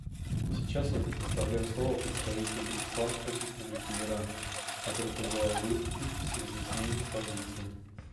Сейчас я предоставляю слово представителю Исламской Республики Иран, который пожелал выступить с разъяснением позиции.